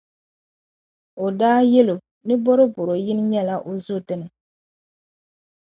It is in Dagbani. O daa yɛli o, ni bɔrobɔro yini nyɛla o zo dini.